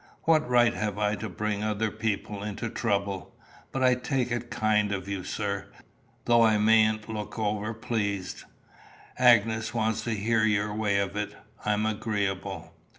What right have I to bring other people into trouble? But I take it kind of you, sir, though I mayn't look over pleased. Agnes wants to hear your way of it. I'm agreeable."